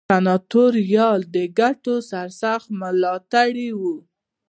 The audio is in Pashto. سناتوریال د ګټو سرسخت ملاتړي وو.